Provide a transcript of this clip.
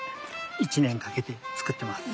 １年かけて作ってます。